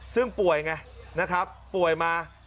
ซึ่งป่วยไงนะครับป่วยมา